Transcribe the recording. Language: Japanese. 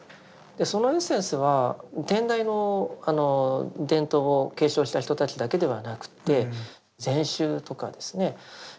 そのエッセンスは天台の伝統を継承した人たちだけではなくて禅宗とかですね